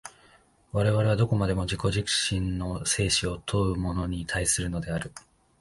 我々はどこまでも自己自身の生死を問うものに対するのである。